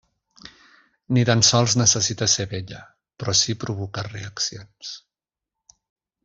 Ni tan sols necessita ser bella, però sí provocar reaccions.